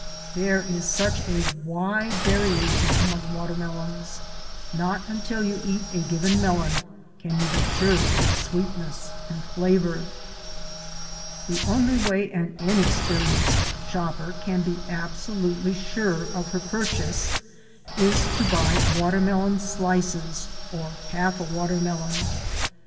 There is such a wide variation among watermelons. Not until you eat a given melon can you be sure of its sweetness and flavor. The only way an inexperienced shopper can be absolutely sure of her purchase is to buy watermelon slices or half a watermelon.